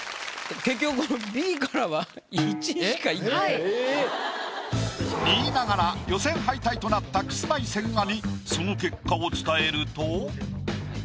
結局２位ながら予選敗退となったキスマイ千賀にその結果を伝えると。